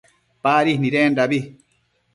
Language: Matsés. Nadi nidendabi